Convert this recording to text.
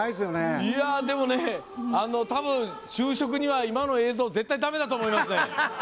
でもね、多分就職には今の映像絶対だめだと思いますね。